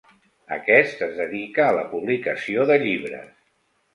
Aquest es dedica a la publicació de llibres.